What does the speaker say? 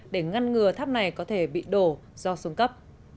để ngăn ngừa tháp này có thể bị đổ do xuống cấp